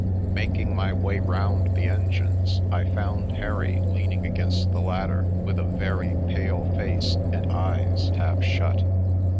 Making my way round the engines I found Harry leaning against the ladder with a very pale face and eyes half shut.